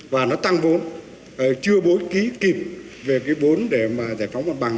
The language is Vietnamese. và nó tăng vốn chưa bố trí kịp về cái vốn để mà giải phóng mặt bằng